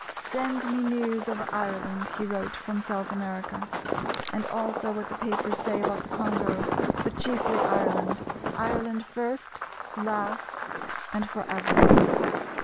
"Send me news of Ireland," he wrote from South America, "and also what the papers say about the Congo, but chiefly Ireland; Ireland first, last, and for ever."